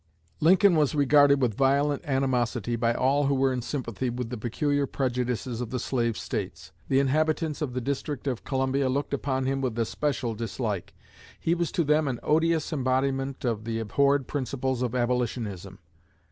'" Lincoln was regarded with violent animosity by all who were in sympathy with the peculiar prejudices of the slave States. The inhabitants of the District of Columbia looked upon him with especial dislike. He was to them an odious embodiment of the abhorred principles of Abolitionism.